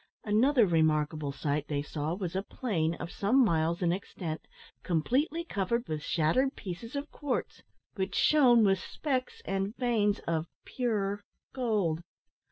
Another remarkable sight they saw was a plain, of some miles in extent, completely covered with shattered pieces of quartz, which shone with specks and veins of pure gold.